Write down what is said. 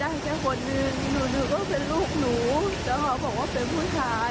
แต่ตอนที่เพื่อนหนูส่งลูกมาให้ที่เขาไปเล่นน้ำกัน